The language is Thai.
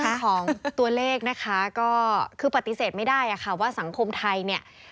ของตัวเลขนะคะก็คือปฏิเสธไม่ได้อะค่ะว่าสังคมไทยเนี่ย